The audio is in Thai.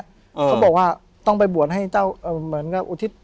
เขาบอกว่าต้องเปิดกันให้เจ้าอุธิษฎ์